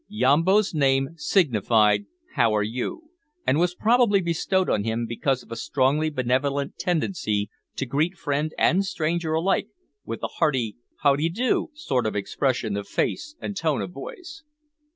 Yambo's name signified "how are you?" and was probably bestowed on him because of a strongly benevolent tendency to greet friend and stranger alike with a hearty "how d'ee do?" sort of expression of face and tone of voice.